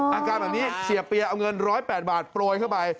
อาการแบบนี้เสียเปียเอาเงิน๑๐๘บาทโปรยเข้าไป